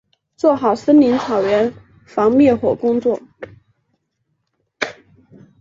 做好森林草原防灭火工作